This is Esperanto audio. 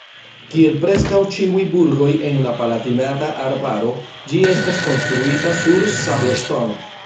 Kiel preskaŭ ĉiuj burgoj en la Palatinata Arbaro ĝi estas konstruita sur sabloŝtono.